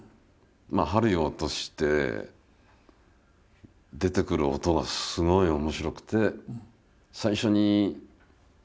針を落として出てくる音がすごい面白くて。